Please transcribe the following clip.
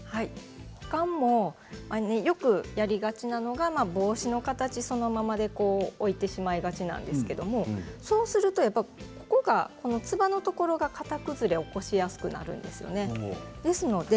保管もやりがちなのが帽子の形そのままで置いてしまいがちなんですがそうすると、つばのところが型崩れを起こしやすいんですね。